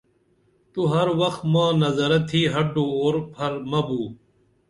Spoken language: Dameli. تو ہر وخ ماں نظرہ تِھی ہڈو اُور پھر مہ بو